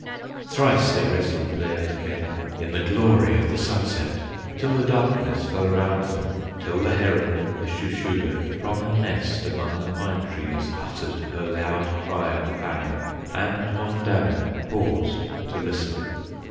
Thrice they wrestled there together In the glory of the sunset, Till the darkness fell around them, Till the heron, the Shuh shuh gah, From her nest among the pine trees, Uttered her loud cry of famine, And Mondamin paused to listen.